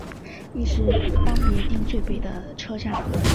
亦是当别町最北的车站。